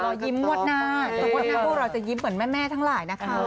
รอยิ้มวดหน้าเพราะว่าเราจะยิ้มเหมือนแม่ทั้งหลายนะคะ